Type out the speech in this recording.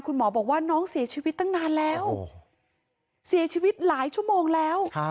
คุณหมอบอกว่าน้องเสียชีวิตตั้งนานแล้วเสียชีวิตหลายชั่วโมงแล้ว